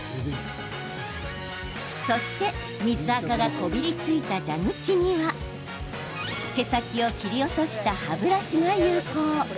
そして、水あかがこびりついた蛇口には毛先を切り落とした歯ブラシが有効。